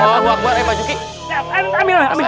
jangan bawa buah buahan ya pak yuki